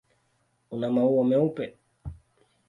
Una maua meupe.